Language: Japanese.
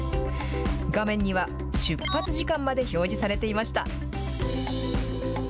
画面には出発時間まで表示されていました。